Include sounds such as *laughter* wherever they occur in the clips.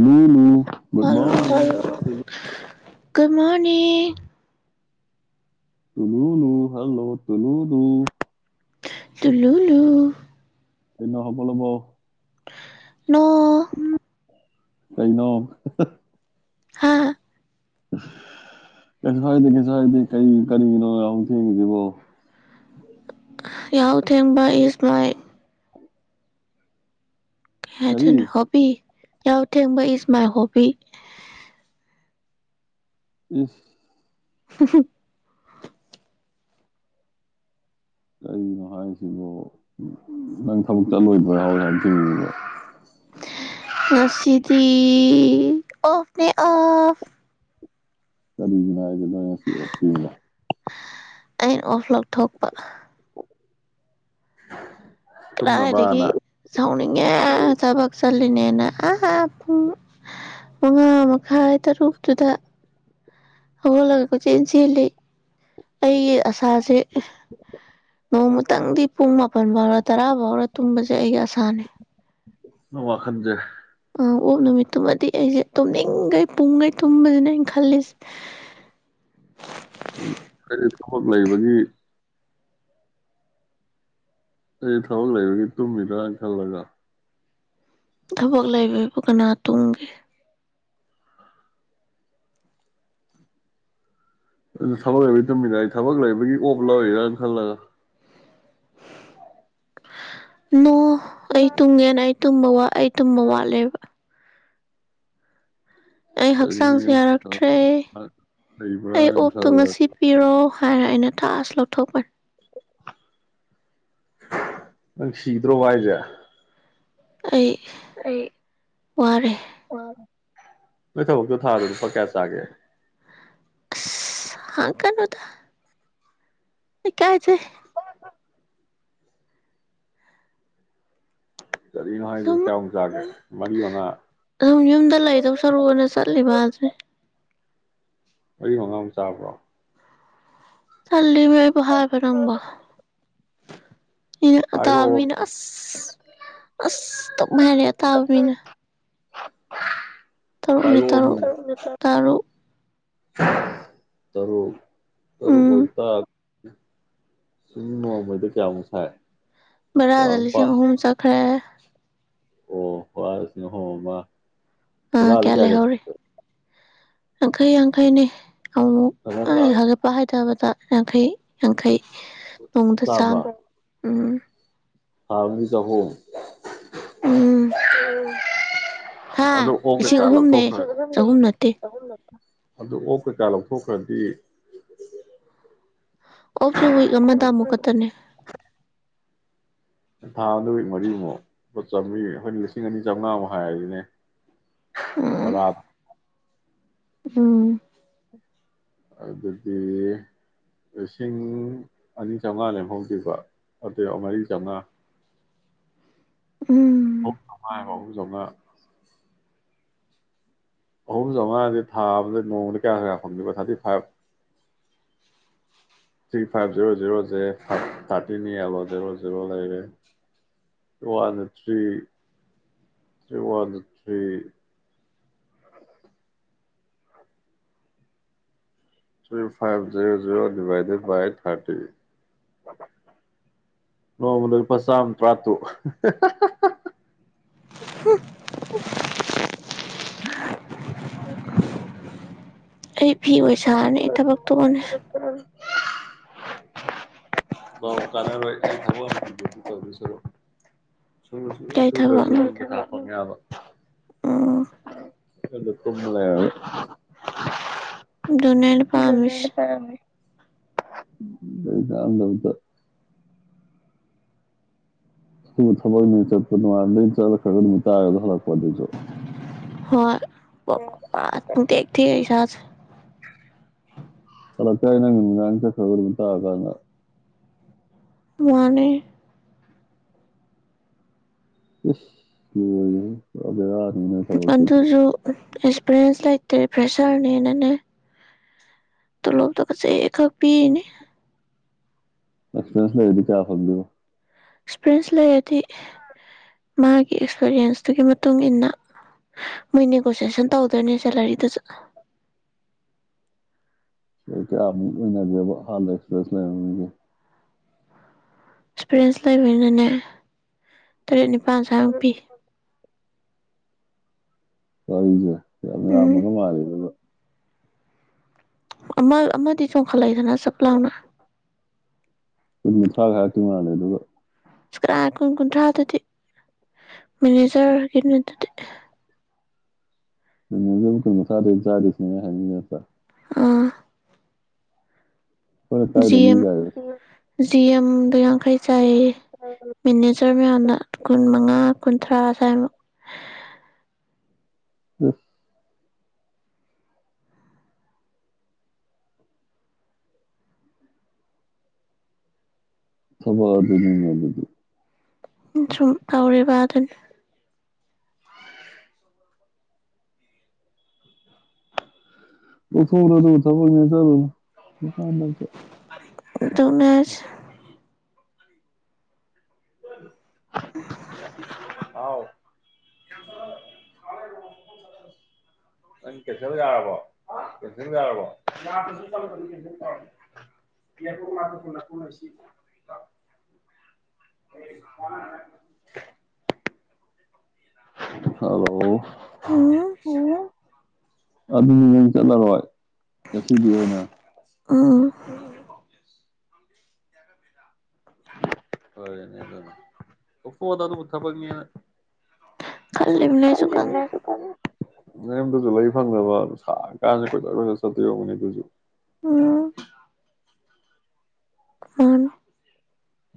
ꯅꯨ ꯒꯗ ꯃꯅꯤꯡ ꯀꯃꯅꯦ ꯇꯅꯨꯅꯨ ꯍꯜꯂꯣ ꯇꯅꯨꯅꯨ ꯇꯂꯂꯨ ꯑꯩꯅꯣ ꯍꯕ ꯂꯕꯣ ꯅ ꯀꯩꯅꯩꯅꯣ ꯍꯥꯥ ꯀꯩꯁꯨ ꯍꯥꯏꯥꯏꯗꯦ ꯀꯩꯁꯨ ꯍꯥꯏꯗꯦ ꯀꯔꯤ ꯀꯔꯤꯒꯤꯅꯣ ꯍꯨꯛ ꯊꯦꯡꯉꯁꯤꯕꯣ ꯌꯥꯎ ꯊꯦꯡꯕ ꯏꯁ ꯃꯥꯏ ꯍꯦ ꯆꯣ ꯀꯔꯤ ꯍꯕꯤ ꯌꯥꯎ ꯊꯦꯡꯕ ꯏꯖ ꯃꯥꯏ ꯍꯣꯕꯤ ꯎꯝ *unintelligible* ꯀꯔꯤꯒꯤꯅꯣ ꯍꯥꯏꯁꯤꯕꯣ ꯅꯪ ꯊꯕꯛꯇ ꯂꯣꯏꯕ꯭ꯔ ꯌꯥꯎꯋꯦ ꯍꯥꯏꯅ ꯊꯤꯡꯉꯕ ꯉꯁꯤꯗꯤ ꯑꯣꯐꯅꯦ ꯑꯐ ꯀꯔꯤ ꯅꯥ ꯀꯗ ꯁꯤ ꯑꯣ ꯑꯩꯅ ꯑꯣꯐ ꯂꯣꯛ ꯊꯣꯛꯄ *unintelligible* ꯀ ꯍꯥꯏꯔꯤꯗꯒꯤ ꯇꯨꯝꯅꯕꯅ ꯁꯥꯎꯅꯤꯡꯉꯦ ꯆꯕ ꯆꯜꯂꯤꯂꯤꯅꯦꯅ ꯑꯥ ꯄꯨꯡ ꯃꯉꯥ ꯃꯈꯥꯏ ꯇꯔꯨꯛꯇꯨꯗ ꯍꯧꯒꯣꯜꯂꯒ ꯀꯣꯏꯆꯦꯟ ꯆꯦꯜꯂꯤ ꯑꯩꯒꯤ ꯑꯁꯥꯁꯦ ꯅꯣꯡꯃꯇꯪꯗꯤ ꯄꯨꯡ ꯃꯥꯄꯟꯕꯔ ꯇꯔꯥꯕꯔ ꯇꯨꯝꯕꯁꯦ ꯑꯩ ꯑꯁꯥꯅꯦ ꯋꯥꯈꯟꯗꯦ ꯑꯣꯛ ꯅꯨꯃꯤꯠꯇꯨꯃꯗꯤ ꯑꯩꯁꯦ ꯇꯨꯝꯅꯤꯡꯈꯩ ꯄꯨꯡꯈꯩ ꯇꯨꯝꯅꯤꯅ ꯑꯩꯅ ꯈꯜꯂꯤꯁꯦ ꯀꯔꯤ ꯂꯩꯕꯒꯤ ꯑꯩ ꯊꯕꯛ ꯂꯩꯕꯒꯤ ꯇꯨꯝꯃꯤꯗ꯭ꯔ ꯈꯜꯂꯒ ꯊꯕꯛ ꯂꯩꯕꯕꯨ ꯀꯅꯥ ꯇꯨꯡꯒꯦ ꯑꯗꯨ ꯊꯕꯛ ꯂꯩꯕꯒꯤ ꯇꯨꯝꯃꯤꯟꯅꯏ ꯊꯕꯛ ꯂꯩꯕꯒꯤ ꯑꯣꯞ ꯂꯧꯔꯤꯔꯅ ꯈꯜꯂꯒ ꯅ ꯑꯩ ꯇꯨꯡꯒꯦꯅ ꯇꯨꯝ ꯋꯥ ꯇ ꯃꯎꯂꯤꯕ ꯑꯩ ꯀꯔꯤꯅꯣ ꯍꯛꯆꯥꯡꯁ ꯌꯨꯝ ꯌꯥꯔꯛꯇ꯭ꯔꯦ ꯑꯩ ꯂꯩꯕ꯭ꯔꯥꯅ ꯑꯣꯞꯇꯣ ꯈꯜꯂ ꯉꯁꯤ ꯄꯤꯔꯣ ꯍꯥꯏꯔ ꯑꯩꯅ ꯊꯥꯛꯑꯥꯁ ꯂꯧ ꯊꯣꯛꯄ ꯅꯪ ꯁꯤꯤꯗ꯭ꯔꯣ ꯋꯥꯏꯖꯦ ꯑꯩ ꯑꯩ ꯋꯥꯔꯦ ꯑ ꯃ ꯊꯕꯛꯇꯣ ꯊꯥꯔ ꯐꯔ ꯀꯌꯥꯁꯒꯦ ꯑ ꯍ ꯀꯩꯅꯣꯗ ꯀꯥꯏ ꯆꯦ ꯀꯔꯤꯅꯣ ꯍꯥꯏꯁꯦ ꯁꯨꯝ ꯀꯌꯥꯃꯨꯛ ꯆꯥꯒꯦ ꯃꯔꯤ ꯃꯉꯥ ꯁꯨꯝ ꯌꯨꯝꯗ ꯂꯩꯗꯧ ꯁꯔꯨꯅ ꯆꯠꯂꯤꯕꯁꯦ ꯋꯥꯔꯤ ꯃꯉꯥꯝ ꯆꯥꯕ꯭ꯔꯣ ꯍꯗꯤ ꯄ ꯍꯥꯔꯕꯔꯝꯕ ꯅ ꯑꯇꯥꯕ ꯍꯥꯏꯔꯛꯑꯣ ꯃꯤꯅ ꯑꯁ ꯑꯁ ꯇꯞ ꯍꯥꯏꯔꯦ ꯑ ꯇꯇꯥꯕ ꯃꯤꯅ ꯇꯔꯨꯛ ꯅ ꯇꯔꯨ ꯇꯔꯨꯛ ꯇꯔꯨ ꯆꯂꯣ ꯀꯣꯜ ꯎꯝ ꯇ ꯁꯨꯝꯅꯣ ꯃꯣꯏꯗ ꯀꯌꯥ ꯑꯃꯨꯁꯥꯏ ꯕꯔꯥꯗ ꯂꯤꯁꯤꯡ ꯑꯍꯨꯝ ꯆꯠꯈ꯭ꯔꯦ ꯑꯣ ꯋꯥꯔꯁꯨ ꯍ ꯃꯥ ꯑꯥ ꯀꯌꯥ ꯂꯩ ꯍꯥꯏ ꯍꯧꯔꯤ ꯌꯥꯡꯈꯩ ꯌꯥꯡꯈꯩꯅꯦ ꯆꯥꯝꯃ ꯑ ꯍꯥꯏꯒ ꯄ ꯍꯥꯏ ꯠꯇꯕꯗ ꯌꯥꯡꯈꯩ ꯌꯥꯡꯈꯩ ꯣꯡꯗ ꯆꯥꯝ ꯎꯝ ꯍꯥ ꯃꯤꯁꯍꯣꯝ ꯎꯝ ꯎ ꯑꯗ ꯍꯥ ꯍꯒꯦ ꯂꯤꯁꯤꯡ ꯇꯂ ꯑꯍꯨꯝꯅꯦ ꯊꯈ꯭ꯔ ꯆꯍꯨꯝ ꯅꯠꯇꯦ ꯑꯗꯨ ꯑꯣ ꯀꯩꯀꯥ ꯂꯧꯊꯣꯛꯈ꯭ꯔꯗꯤ ꯑꯣꯞꯁꯨ ꯋꯏꯛ ꯑꯃꯗ ꯑꯃꯨꯛ ꯈꯛꯇꯅꯦ ꯊꯥ ꯑꯗꯨ ꯃꯔꯤꯃꯨꯛ ꯂ ꯆꯥꯝꯃꯔꯤ ꯑꯩꯈꯣꯏꯅ ꯂꯤꯁꯤꯡ ꯑꯅꯤ ꯆꯥꯝꯃꯉꯥꯃꯨꯛ ꯍꯥꯏꯔꯁꯤꯅꯦ ꯎꯝ ꯑꯣꯥꯞ ꯎꯝ ꯑꯗꯨꯗꯤ ꯂꯤꯁꯤꯡ ꯑꯅꯤ ꯆꯥꯝꯃꯉꯥ ꯂꯦꯝꯍꯧꯗꯕ ꯑ ꯃꯔꯤ ꯆꯥꯝꯃꯉꯥ ꯎꯝ ꯑꯉꯥꯏ ꯆꯉ ꯑꯍꯨꯝ ꯆꯥꯝꯉꯥꯗꯤ ꯊꯥꯕꯗ ꯅꯣꯡꯃꯗ ꯀꯌꯥ ꯀꯌꯥ ꯐꯪꯗꯦꯕ thirty five three five zero ꯖꯔꯣꯁꯦ ꯊꯥꯔꯇꯤꯂꯣ ꯖꯦꯔꯣ ꯖꯔꯣ ꯂꯩꯔꯦꯔꯤ one three three one three three five zero ꯣ ꯗꯤꯚ ꯕꯥꯏ ꯊꯥꯔꯇꯤ ꯅꯃ ꯄꯝ ꯇꯔꯥ ꯇꯨ *unintelligible* ꯑꯩ ꯐꯤ ꯑꯣꯏ ꯁꯥꯔꯅꯤ ꯊꯕꯛꯇꯨ ꯑꯣꯅꯦ ꯥꯎ ꯀꯂꯔ ꯑꯣꯏ ꯈꯕ ꯇꯧꯁꯣ ꯁꯨ ꯁꯨ ꯀꯩ ꯊꯕꯛꯅꯣ ꯁꯨꯗ꯭ꯔꯁꯨꯄ ꯌꯥꯕ ꯑꯥ ꯗ ꯀ ꯂꯩꯅꯤ ꯗꯨꯅꯅꯄꯥꯃꯤꯁ ꯗꯗ ꯊ ꯇꯥ ꯄꯗꯨꯁꯨ ꯍꯣꯏ *unintelligible* ꯥ ꯗꯊ ꯑꯩꯁꯥꯁ ꯑ ꯀꯥꯏ ꯉꯥꯡꯇꯠꯇꯒ ꯃꯥꯅꯦ ꯦ ꯑꯗꯨꯗꯁꯨ ꯑꯦꯛꯁꯄꯤꯤꯔꯤꯌꯦꯟꯁ ꯂꯥꯏꯇꯦ ꯄ꯭ꯔꯦꯁꯔꯅꯦꯅꯅꯦ ꯇ ꯂꯣꯗ ꯀꯁ ꯑꯦ ꯄꯤꯅꯦ ꯑꯦꯛꯁꯄꯤꯁ ꯂꯩꯗꯤ ꯀꯌꯥ ꯐꯦꯣ ꯑꯦꯛꯁꯄꯔꯤꯌꯦꯟꯁ ꯂꯩꯔꯗꯤ ꯃꯥꯒꯤ ꯑꯦꯛꯁꯄꯔꯤꯌꯦꯟꯁꯇꯨꯒꯤ ꯃꯇꯨꯡ ꯏ ꯃꯇꯨꯡꯏꯟꯅ ꯃꯣꯏ ꯅꯦꯒꯣꯁꯤꯦꯁꯟ ꯇꯧꯗꯣꯏꯅꯦ ꯁꯦꯂꯔꯤꯗꯨꯁꯨ ꯀꯌꯥꯒꯦꯕ ꯍꯜ ꯑꯦꯛꯁꯄ꯭ꯔꯦꯁ ꯂꯩꯔꯒꯦ ꯑꯦꯛꯁꯄꯤꯔꯤꯌꯦꯟꯁ ꯂꯩꯕꯅꯤꯅꯅꯦ ꯇꯔꯦꯠ ꯅꯤꯄꯥꯜ ꯁꯨ ꯄꯤ ꯍꯁꯦ ꯅꯦ ꯎꯝ ꯃꯥꯔꯤꯗꯣ ꯑꯃ ꯑꯃꯥꯗꯤ ꯆꯣꯡꯈꯠꯂꯏꯗꯅ ꯆꯞ ꯂꯥꯎꯅ ꯀ ꯃ ꯊ꯭ꯔꯥꯒ ꯍꯥꯏꯇ ꯃ ꯂꯩꯦ ꯑꯗꯨꯒꯒ ꯀꯥ ꯀꯨꯟ ꯀꯨꯟꯊ꯭ꯔꯥꯗꯗꯤ ꯃꯦꯅꯦꯖꯔꯒꯤꯩꯅꯣꯗꯨꯗꯤ ꯁꯦ ꯆꯥꯔ ꯏꯁꯅꯦ ꯍꯥꯏ ꯑ ꯑꯩꯈꯣꯏꯅ ꯖꯤ ꯀꯥꯏꯗꯒꯤ ꯑꯦꯝ ꯀꯥꯏꯗ ꯖꯤ ꯑꯦꯝꯗ ꯌꯥꯡꯈꯩ ꯆꯥꯏ ꯃꯦꯅꯦꯖꯔ ꯃꯌꯥꯝꯅ ꯀꯨꯟ ꯃꯉꯥ ꯀꯨꯟꯊ꯭ꯔꯥ ꯁ꯭ꯋꯥꯏꯃꯨꯛ ꯎ ꯊꯕ ꯑꯗꯨꯅꯦ ꯑꯗꯨ ꯁꯨꯝ ꯇꯧꯔꯤꯕ ꯑꯗꯨꯅꯤ ꯑꯣꯊꯔ ꯑꯗꯨ ꯊꯕ ꯆ ꯗꯅꯔ ꯍ ꯍꯥꯎ ꯅ ꯀꯩꯊꯦꯜ ꯌꯥꯔꯕꯣ ꯌꯥꯔꯕꯣ ꯍꯜꯂꯣ ꯎꯝ ꯑꯅꯤ ꯆꯂꯔꯣꯏ ꯉꯁꯤꯗꯤ ꯑꯣꯏꯅ ꯎꯝ ꯍꯅꯦ ꯑꯗꯨ ꯑꯣꯗ ꯑꯗꯨ ꯄꯨꯊꯄꯤꯅ ꯈꯜꯃꯤ ꯂꯩꯁꯨ ꯀꯥꯟ ꯅꯦꯝ ꯇꯨꯖꯨ ꯂꯩ ꯐꯪꯗꯕ ꯁꯥ ꯀꯥꯅꯤ ꯀꯣꯏ ꯀꯣꯏ ꯁꯇꯌꯒꯅꯤ ꯇꯨꯖꯨ ꯑꯣ ꯑ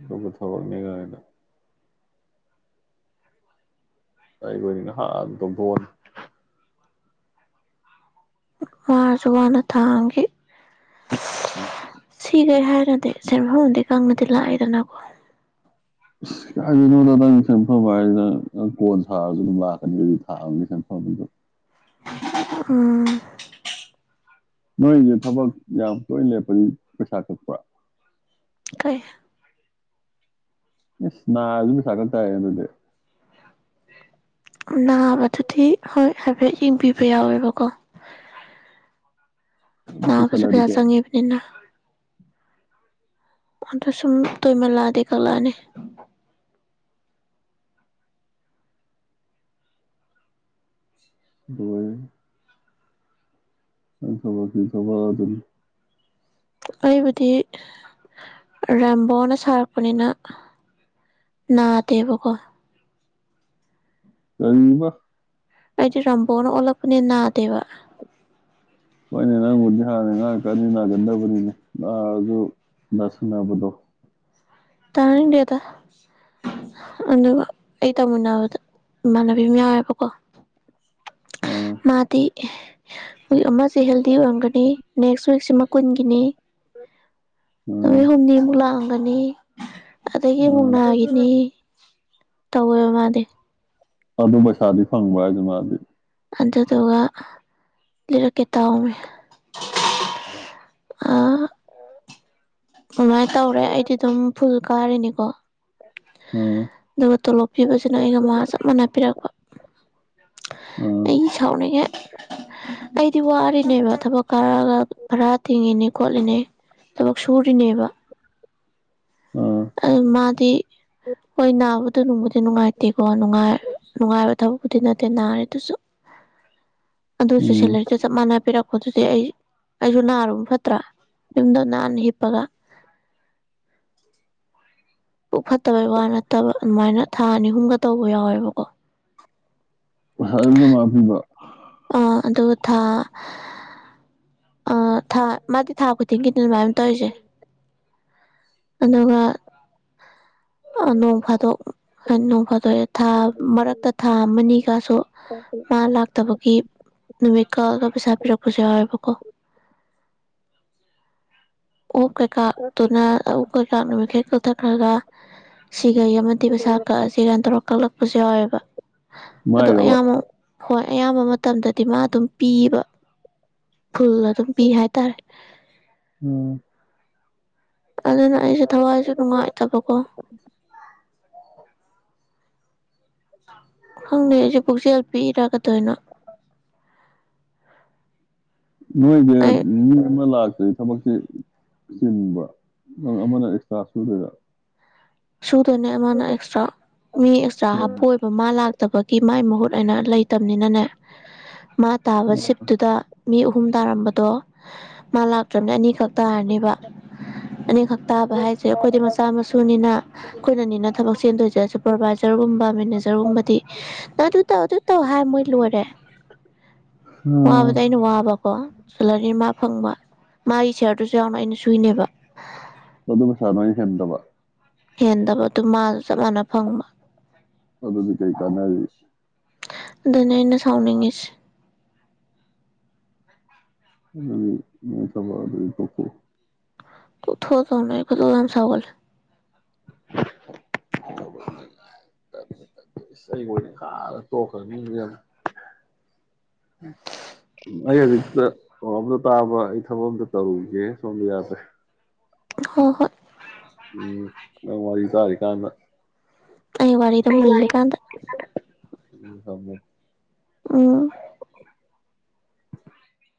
ꯕꯨ ꯊꯕꯜꯅꯤ ꯀꯅꯤꯗ ꯑꯩ ꯀꯅ ꯍꯥꯗ ꯣꯟ ꯃꯥꯔꯁꯨ ꯋꯥꯅ ꯊꯥꯡꯈꯤ ꯁꯤꯈꯩ ꯍꯥꯏꯔꯗꯤ ꯁꯦꯟꯐꯝꯗꯤ ꯀꯪꯅꯗꯤ ꯂꯥꯛꯏꯦꯗꯅꯀꯣ ꯁ ꯀꯣ ꯊ ꯎ ꯅꯣꯏꯁꯦ ꯊꯕꯛ ꯌꯥꯝ ꯇꯣꯏꯅ ꯂꯦꯞꯄꯅꯤ ꯄꯩꯁꯥ ꯀꯛꯄ꯭ꯔꯥ ꯀꯦ ꯅ ꯑꯗꯨ ꯁꯥꯒ ꯇ ꯑꯗꯨꯗ ꯅꯥꯕꯗꯨꯗꯤ ꯍꯣꯏ ꯍꯥꯏꯐꯦꯠ ꯌꯦꯡꯕꯤꯕ ꯌꯥꯎꯋꯦꯕꯀꯣ ꯑꯗꯨ ꯑ ꯄꯨꯁꯨ ꯀꯨꯏꯁꯜꯂꯗꯤ ꯀꯌꯥ ꯄꯌꯥꯁꯉꯦꯕꯅꯤꯟꯅ ꯑꯗ ꯁꯨꯝ ꯇꯨꯃ ꯂꯥꯗꯦ ꯀꯂꯥꯅꯤ ꯑꯗꯨꯒ ꯑ ꯆ ꯑꯗꯨ ꯊꯕꯗ ꯑꯩꯕꯨꯗꯤ ꯔꯦꯝꯕꯣꯅ ꯁꯥꯔꯛꯄꯅꯤꯅ ꯅꯥꯗꯦꯕꯀꯣ ꯀꯝꯕ ꯑꯩꯗꯤ ꯔꯝꯕꯅ ꯑꯣꯂꯛꯄꯅꯤ ꯅꯗꯕ ꯍꯣꯏꯅꯦ ꯅꯪꯕꯨꯗꯤ ꯍꯥꯟꯅ ꯉꯥꯏꯍꯥꯛꯀꯅꯤ ꯅꯥꯒꯟꯗꯕꯅꯤꯅꯦ ꯅꯥꯔꯁꯨ ꯁꯤꯟꯅꯕꯗꯣ ꯇꯥꯅꯤꯡꯗꯦ ꯑꯗ ꯑꯗꯨꯒ ꯑꯩ ꯇꯧꯃꯤꯟꯅꯕꯗ ꯏꯃꯥꯟꯅꯕꯤ ꯑꯃ ꯌꯥꯎꯋꯦꯕꯀꯣ ꯑꯥ *unintelligible* ꯋꯤꯛ ꯑꯃ ꯍꯦꯜꯗꯤ ꯑꯣꯏꯔꯝꯒꯅꯤ ꯅꯦꯛꯁ ꯋꯤꯛꯁꯤꯃꯛ ꯀꯨꯟꯒꯤꯅꯦ ꯑꯗꯨ ꯑꯥ ꯍꯣꯅꯤ ꯂ ꯃꯅꯤ ꯑꯗꯒꯤ ꯑꯥ ꯑꯃꯨꯛꯅꯥꯒꯤꯅꯤ ꯇꯧꯋꯦꯕ ꯃꯥꯗꯤ ꯑꯗꯨ ꯄꯩꯁꯥꯗꯤ ꯐꯪꯕ꯭ꯔ ꯍꯥꯏꯁꯦ ꯃꯥꯗꯤ ꯑꯗꯨꯗꯨꯒ ꯂꯤꯔꯛꯀꯦ ꯇꯥꯎꯃꯦ ꯑꯗꯨꯃꯥꯏꯅ ꯇꯧꯔꯦ ꯑꯩꯗꯤ ꯑꯗꯨꯝ ꯐꯨꯜ ꯀꯥꯔꯤꯅꯤꯀꯣ ꯑꯥ ꯑꯗꯨꯒ ꯇꯣꯂꯣꯞ ꯄꯤꯕꯁꯤꯅ ꯑꯩꯒ ꯃꯥ ꯆꯞ ꯃꯥꯟꯅ ꯄꯤꯔꯛꯄ ꯑꯥ ꯑꯩ ꯁꯥꯎꯅꯤꯡꯉꯦ ꯑꯩꯗꯤ ꯋꯥꯔꯤꯅꯦꯕ ꯊꯕꯛ ꯀꯥꯔꯛꯒ ꯈꯔ ꯇꯤꯡꯉꯤꯅꯤ ꯈꯣꯠꯂꯤꯅꯤ ꯊꯕ ꯁꯨꯔꯤꯅꯦꯕ ꯑꯥ ꯃꯥꯗꯤ ꯍꯣꯏ ꯅꯥꯕꯗ ꯅꯨꯡꯕꯨꯗꯤ ꯅꯨꯡꯉꯥꯏꯇꯦꯀꯣ ꯅꯨꯡꯉꯥꯏ ꯅꯨꯡꯉꯥꯏꯕ ꯇꯕꯨꯕꯨꯗꯤ ꯅꯠꯇ ꯅꯥꯔꯦ ꯇꯁꯨ ꯎꯝ ꯑꯗꯨꯣꯂ ꯃꯅꯥ ꯄꯔ ꯑꯗꯨꯗꯤ ꯑꯩ ꯑꯩꯁꯨ ꯅꯥꯔꯨꯕ ꯐꯠꯇ꯭ꯔꯥ ꯌꯨꯝꯗ ꯅꯥꯟꯅ ꯍꯤꯞꯄꯒ ꯄꯨꯛ ꯐꯠꯇꯕꯩ ꯋꯥ ꯅꯠꯇꯕ ꯑꯗꯨꯃꯥꯏꯅ ꯊꯥ ꯑꯅꯤ ꯑꯍꯨꯝꯒ ꯇꯧꯕ ꯌꯥꯎꯋꯦꯕꯀꯣ ꯔꯗꯤ ꯃꯥ ꯄꯤꯕ ꯑꯥ ꯑꯗꯨꯒ ꯊꯥ ꯊꯥ ꯃꯥꯗꯤ ꯊꯥ ꯈꯨꯗꯤꯡꯒꯤꯗꯤ ꯑꯗꯨꯃꯥꯏꯅ ꯇꯧꯔꯤꯁꯦ ꯑꯗꯨꯒ ꯅꯣꯡ ꯐꯥꯗꯣꯛ ꯍꯥꯏ ꯅꯣꯡ ꯐꯥꯗꯣꯛꯑꯦ ꯊꯥ ꯃꯔꯛꯇ ꯊꯥ ꯑꯃꯅꯤꯅꯤꯒꯁꯨ ꯃꯥ ꯂꯥꯛꯇꯕꯒꯤ ꯅꯨꯃꯤꯠꯀꯒ ꯄꯩꯁꯥ ꯄꯤꯔꯛꯄꯁꯨ ꯌꯥꯎꯋꯦꯕꯀꯣ ꯑꯣꯞ ꯀꯩꯀꯥꯇꯨꯅ ꯎꯞ ꯀꯩꯀꯥ ꯅꯨꯃꯤꯠꯈꯩ ꯀꯛꯊꯠꯈ꯭ꯔꯒ ꯁꯤꯈꯩ ꯑꯃꯗꯤ ꯃꯩꯁꯥ ꯀꯛꯑꯁꯤ ꯀꯥꯏꯅ ꯇꯧꯔ ꯀꯛꯂꯛ ꯎ ꯌꯥꯎꯋꯦꯕ ꯑꯗꯣ ꯃꯥꯏꯔꯕ ꯑꯌꯥꯝꯕ ꯍꯣꯏ ꯑꯌꯥꯝꯕ ꯃꯇꯝꯗꯗꯤ ꯃꯥ ꯑꯗꯨꯝ ꯄꯤꯕ ꯐꯨꯜ ꯑꯗꯨꯝ ꯄꯤ ꯍꯥꯏꯇꯥꯔꯦ ꯎꯝ ꯑꯗꯨꯗꯅ ꯑꯩꯁꯦ ꯊꯋꯥꯏꯁꯨꯦ ꯅꯨꯡꯉꯥꯏ ꯇꯕꯀꯣ ꯍꯪꯁꯨ ꯈꯁꯤ ꯄꯤꯔꯒꯗꯣꯏꯅꯣ ꯑꯩ ꯅꯣꯏ ꯂꯥꯛ ꯑ ꯊꯕꯛꯁꯤ ꯆꯤꯟꯕ ꯅꯪ ꯑꯃꯅ ꯑꯦꯛꯁꯇ꯭ꯔꯥ ꯁꯨꯗꯣꯏꯔ ꯁꯨꯗꯅꯦ ꯃꯥꯅ ꯑꯦꯛꯁꯇ꯭ꯔꯥ ꯃꯤ ꯑꯦꯛꯁꯇ꯭ꯔꯥ ꯍꯥꯞꯄꯏꯕ ꯃꯥ ꯂꯥꯛꯇꯕꯒꯤ ꯃꯥꯥꯏ ꯃꯍꯨꯠ ꯅ ꯂꯩꯇꯕꯅꯤꯅꯅꯦ ꯃꯥ ꯇꯥꯕ ꯁꯤꯞꯇꯨꯗ ꯃꯤ ꯑꯍꯨꯝ ꯇꯥꯔꯝꯕꯗꯣ ꯃꯥ ꯂꯥꯛꯇ꯭ꯔꯕꯅꯦ ꯑꯅꯤꯈꯛ ꯇꯥꯔꯅꯦꯕ ꯑꯅꯤꯈꯛ ꯇꯥꯕ ꯍꯥꯏꯁꯦ ꯑꯩꯈꯣꯏꯗꯤ ꯃꯆꯥ ꯃꯁꯨꯅꯤꯅ ꯑꯩꯈꯣꯏꯅꯅꯤꯅ ꯊꯕꯛ ꯆꯦꯟꯗꯣꯏꯁꯦ ꯁꯨꯄꯔꯚꯥꯏꯖꯔꯒꯨꯝꯕ ꯃꯦꯅꯦꯖꯔꯒꯨꯝꯕꯗꯤ ꯅ ꯑꯗꯨ ꯇꯧ ꯑꯗꯨ ꯇꯧ ꯍꯥꯏ ꯃꯣꯏ ꯂꯣꯏꯔꯦ ꯋꯥꯕꯗ ꯑꯩꯅ ꯋꯥꯕꯀꯣ ꯆꯜꯂꯅꯤ ꯃꯥ ꯐꯪꯕ ꯃꯥꯒꯤ ꯁꯤꯌꯥꯔꯗꯨꯁꯨ ꯌꯥꯎꯅ ꯑꯩꯅ ꯁꯨꯏꯅꯦꯕ ꯑꯗꯨ ꯑꯗꯨꯕꯩꯁꯥ ꯅꯣꯏꯅ ꯁꯦꯝꯗꯕ ꯍꯦꯟꯗꯕ ꯑꯗꯨ ꯃꯥꯁꯨ ꯆꯞ ꯃꯥꯟꯅ ꯐꯪꯕ ꯑꯗꯨꯗꯗꯤ ꯀꯩ ꯀꯅꯥꯕꯤ ꯑꯗꯨꯅ ꯑꯩꯅ ꯁꯥꯎꯅꯤꯡꯉꯤꯁꯦ ꯑꯗꯨꯗꯤ ꯃꯄ ꯑꯗꯨꯗꯤ ꯄꯣꯛꯄꯣ ꯀꯊꯣ ꯇꯧꯅ ꯀ ꯂꯝ ꯁꯒꯜ ꯔ ꯈꯔ ꯑꯩꯗꯤ ꯀꯩꯅꯣꯝꯇ ꯇꯥꯕ ꯑꯩ ꯊꯕꯛ ꯑꯝꯇ ꯇꯧꯔꯨꯏꯒꯦ ꯁꯣꯝꯗ ꯌꯥꯗ꯭ꯔꯦ ꯍ ꯍꯣꯏ ꯎꯝ ꯅ ꯋꯥꯔꯤ ꯆꯔꯤ ꯀꯥꯟꯅ ꯑꯩ ꯋꯥꯔꯗ ꯃꯂꯒꯥꯟꯗ ꯎ ꯍꯅꯦ ꯑꯣ